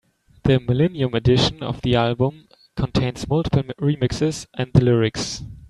The millennium edition of the album contains multiple remixes and the lyrics.